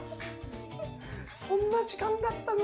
そんなじかんだったの！？」。